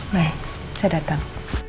baik saya datang